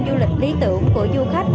du lịch lý tưởng của du khách